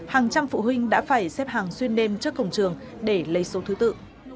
hàng trăm phụ huynh đã phải xếp hàng xuyên đêm trước cổng trường để lấy số thứ tự